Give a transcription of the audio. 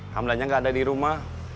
hamdannya nggak ada di rumah